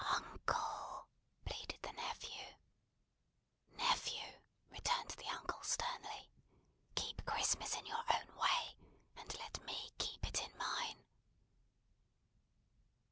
"Uncle!" pleaded the nephew. "Nephew!" returned the uncle sternly, "keep Christmas in your own way, and let me keep it in mine."